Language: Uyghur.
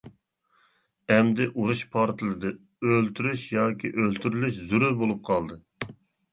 ئەمدى ئۇرۇش پارتلىدى، ئۆلتۈرۈش ياكى ئۆلتۈرۈلۈش زۆرۈر بولۇپ قالدى.